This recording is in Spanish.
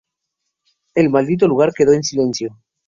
El maldito lugar quedó en silencio.